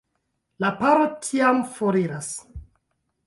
La paro tiam foriras.